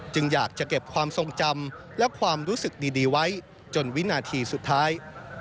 อยากจะเก็บความทรงจำและความรู้สึกดีไว้จนวินาทีสุดท้าย